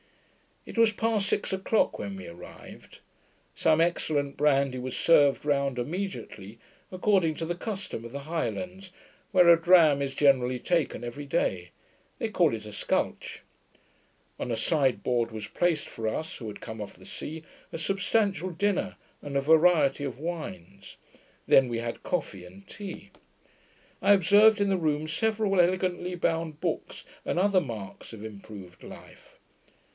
It was past six o'clock when we arrived. Some excellent brandy was served round immediately, according to the custom of the Highlands, where a dram is generally taken every day. They call it a scatch. On a side board was placed for us, who had come off the sea, a substantial dinner, and a variety of wines. Then we had coffee and tea. I observed in the room several elegantly bound books and other marks of improved life.